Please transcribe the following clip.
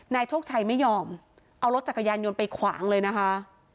โชคชัยไม่ยอมเอารถจักรยานยนต์ไปขวางเลยนะคะ